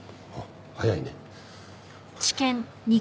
早いね。